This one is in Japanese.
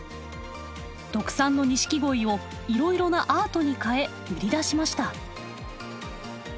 特産の錦鯉をいろいろなアートに変え売り出しました。